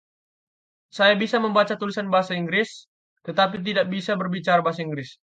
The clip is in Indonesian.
Saya bisa membaca tulisan berbahasa Inggris, tetapi tidak bisa berbicara bahasa Inggris.